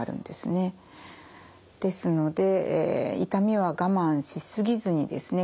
ですので痛みは我慢しすぎずにですね